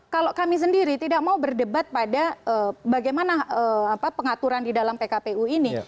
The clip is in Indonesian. kalau kami sendiri tidak mau berdebat pada bagaimana pengaturan di dalam pkpu ini